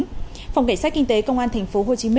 phòng cảnh sát kinh tế công an tp hcm